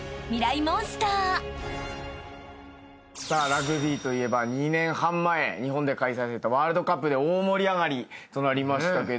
ラグビーといえば２年半前日本で開催されたワールドカップで大盛り上がりとなりましたけど。